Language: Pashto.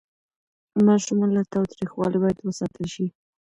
ماشومان له تاوتریخوالي باید وساتل شي.